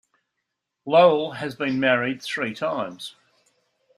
Lowell has been married three times.